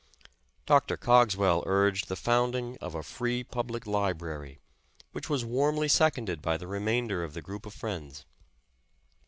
Dr. Cogswell urged the founding of a free public li brary, which was warmly seconded by the remainder of the group of friends.